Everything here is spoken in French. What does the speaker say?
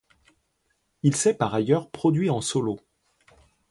Il s'est par ailleurs produit en solo.